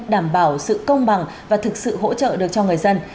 đảm bảo sự công bằng và thực sự hỗ trợ được cho người dân